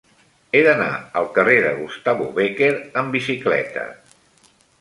He d'anar al carrer de Gustavo Bécquer amb bicicleta.